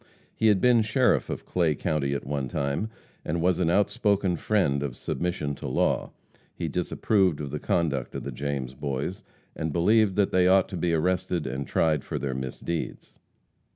He had been sheriff of Clay county at one time, and was an outspoken friend of submission to law. He disapproved of the conduct of the James boys, and believed that they ought to be arrested and tried for their misdeeds.